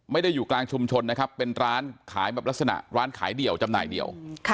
อยู่กลางชุมชนนะครับเป็นร้านขายแบบลักษณะร้านขายเดี่ยวจำหน่ายเดียว